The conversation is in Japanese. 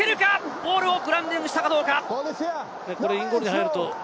ボールをグラウンディングしたかどうか。